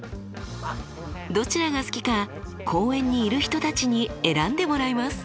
どちらが好きか公園にいる人たちに選んでもらいます。